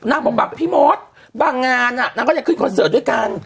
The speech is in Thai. นางบอกแบบพี่มอสบางงานน่ะนางก็จะขึ้นคอนเสิร์ตด้วยกัน